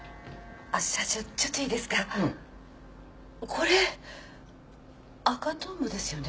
これ赤トンボですよね？